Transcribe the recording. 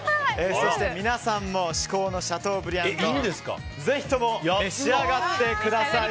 そして皆さんも至高のシャトーブリアン丼ぜひとも召し上がってください。